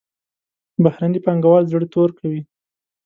بهرني پانګوال زړه تور کوي.